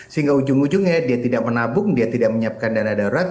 sehingga ujung ujungnya dia tidak menabung dia tidak menyiapkan dana darurat